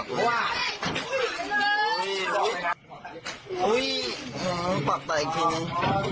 คิดสิทธิ์